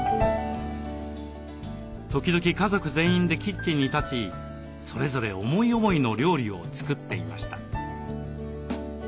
時々家族全員でキッチンに立ちそれぞれ思い思いの料理を作っていました。